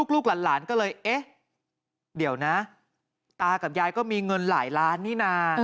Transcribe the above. ลูกหลานก็เลยเอ๊ะเดี๋ยวนะตากับยายก็มีเงินหลายล้านนี่นะ